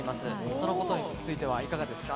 そのことについては、いかがですか？